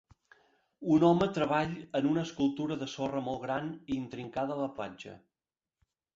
Un home treball en una escultura de sorra molt gran i intricada a la platja.